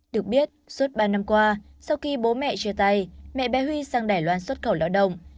được biết suốt ba năm qua sau khi bố mẹ chia tay mẹ bé huy sang đài loan xuất khẩu lao động